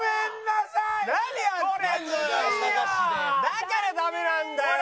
だからダメなんだよ。